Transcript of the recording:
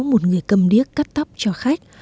một người cầm điếc cắt tóc cho khách